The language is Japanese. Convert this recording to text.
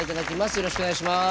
よろしくお願いします。